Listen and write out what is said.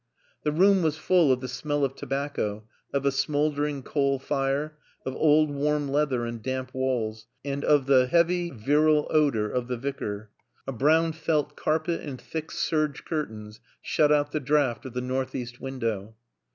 The room was full of the smell of tobacco, of a smoldering coal fire, of old warm leather and damp walls, and of the heavy, virile odor of the Vicar. A brown felt carpet and thick serge curtains shut out the draft of the northeast window.